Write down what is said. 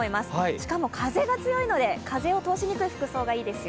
しかも風が強いので、風を通しにくい服装がいいですよ。